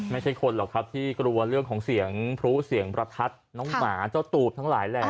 ไม่ใช่คนหรอกครับที่กลัวเรื่องของเสียงพลุเสียงประทัดน้องหมาเจ้าตูบทั้งหลายแหละ